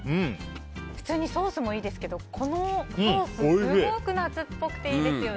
普通にソースもいいですけどこのソースすごく夏っぽくていいですよね。